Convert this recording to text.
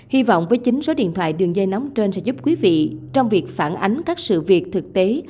hy vọng với chính số điện thoại đường dây nóng trên sẽ giúp quý vị trong việc phản ánh các sự việc thực tế